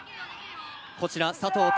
こちら佐藤泰